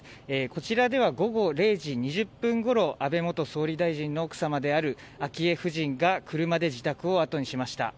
こちらでは午後０時２０分ごろ安倍元総理大臣の奥様である昭恵夫人が車で自宅をあとにしました。